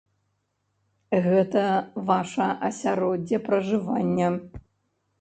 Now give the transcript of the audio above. Гэта ваша асяроддзе пражывання.